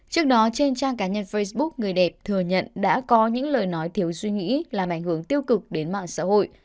trước đó trên trang cá nhân facebook người đẹp thừa nhận đã có những lời nói thiếu suy nghĩ làm ảnh hưởng tiêu cực đến mạng xã hội